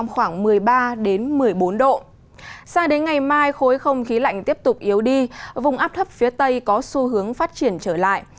khi khối không khí lạnh tiếp tục yếu đi vùng áp thấp phía tây có xu hướng phát triển trở lại